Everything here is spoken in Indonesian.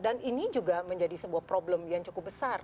dan ini juga menjadi sebuah problem yang cukup besar